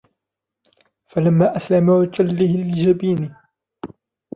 فلما أسلما وتله للجبين